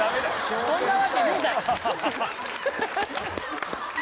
そんなわけねえだろ！